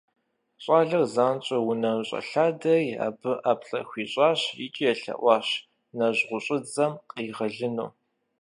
ЩӀалэр занщӀэу унэм щӀэлъадэри абы ӀэплӀэ хуищӀащ икӀи елъэӀуащ нэжьгъущӀыдзэм къригъэлыну.